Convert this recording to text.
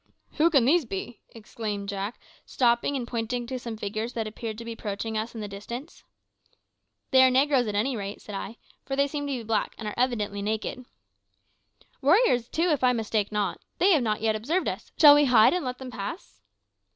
"Who can these be?" cried Jack, stopping and pointing to some figures that appeared to be approaching us in the distance. "They are negroes, at any rate," said I; "for they seem to be black, and are evidently naked." "Warriors, too, if I mistake not. They have not yet observed us. Shall we hide and let them pass?"